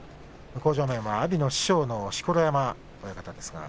向正面は阿炎の師匠の錣山親方です。